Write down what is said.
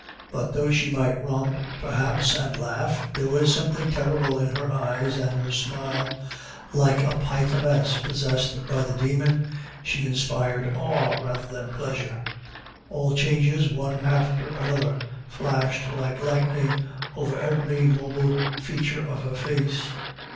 But though she might romp perhaps and laugh, there was something terrible in her eyes and her smile. Like a pythoness possessed by the demon, she inspired awe rather than pleasure. All changes, one after another, flashed like lightning over every mobile feature of her face.